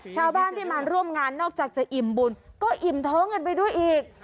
ชาวบ้านที่มาร่วมงานนอกจากจะอิ่มบุญก็อิ่มท้องกันไปด้วยอีก